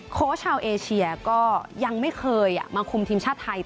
โค้ชชาวเอเชียก็ยังไม่เคยมาคุมทีมชาติไทย